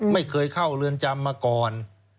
ไม่เคยเข้าเรือนจำมาก่อน